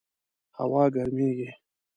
هوا ګرمیږي